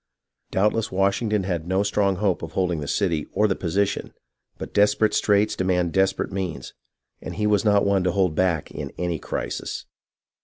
Doubtless Washington had no strong hope of holding the cit}' or the position, but desperate straits demand desperate means, and he was not one to hold back in any crisis.